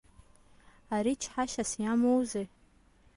Ари чҳашьас иамоузеи.